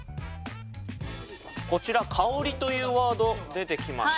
こちら「香」というワード出てきました。